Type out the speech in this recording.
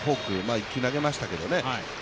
１球投げましたけどね